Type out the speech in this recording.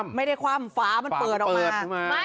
ไม่ได้คว่ำฟ้ามันเปิดออกมา